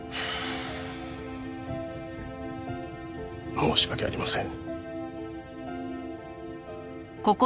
申し訳ありません。